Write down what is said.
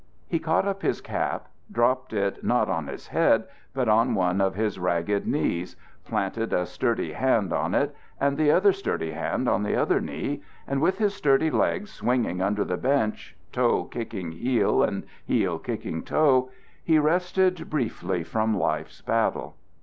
He caught up his cap, dropped it not on his head but on one of his ragged knees; planted a sturdy hand on it and the other sturdy hand on the other knee; and with his sturdy legs swinging under the bench, toe kicking heel and heel kicking toe, he rested briefly from life's battle.